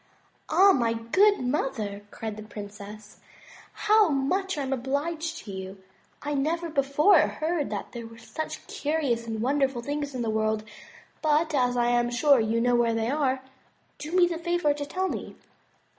"Ah! my good mother," cried the princess, "how much am I obliged to you! I never before heard that there were such curious and wonderful things in the world; but as I am sure you know where they are, do me the favor to tell me."